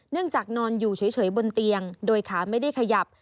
จากนอนอยู่เฉยบนเตียงโดยขาไม่ได้ขยับ